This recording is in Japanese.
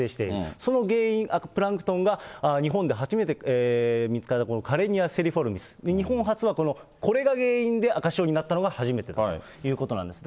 その原因、プランクトンが日本で初めて見つかったカレニア・セリフォルミス、日本初はこれが原因で赤潮になったのが初めてということなんです。